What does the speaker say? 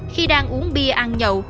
khi đang uống bia ăn nhậu